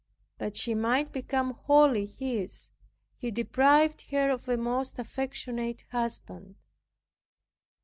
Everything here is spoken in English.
That she might become wholly His, He deprived her of a most affectionate husband.